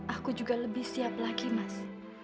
aku juga lebih siap lagi mas